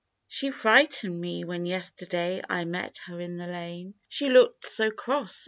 u She frightened me when yesterday I met her in the lane, She looked so cross.